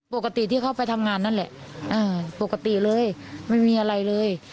ปกติที่เขาไปทำงานนั่นแหละปกติเลยไม่มีอะไรเลย